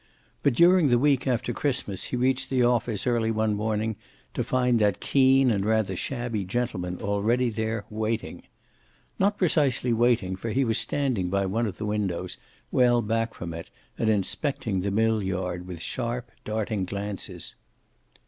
But during the week after Christmas he reached the office early one morning to find that keen and rather shabby gentleman already there, waiting. Not precisely waiting, for he was standing by one of the windows, well back from it, and inspecting the mill yard with sharp, darting glances.